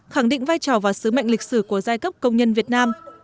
khẳng định vai trò và sứ mệnh lịch sử của giai cấp công nhân việt nam